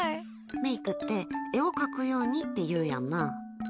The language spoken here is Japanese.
メイクって絵を描くようにって言うやんな。